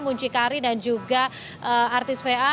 muncikari dan juga artis va